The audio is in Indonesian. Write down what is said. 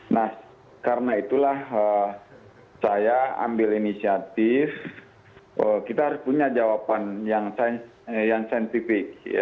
nah karena itulah saya ambil inisiatif kita harus punya jawaban yang saintifik